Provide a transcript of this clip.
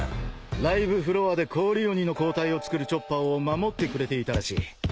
［ライブフロアで氷鬼の抗体を作るチョッパーを守ってくれていたらしい］